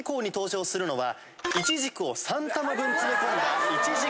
いちじくを３玉分詰め込んだ。